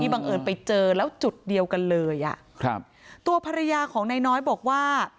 บังเอิญไปเจอแล้วจุดเดียวกันเลยอ่ะครับตัวภรรยาของนายน้อยบอกว่า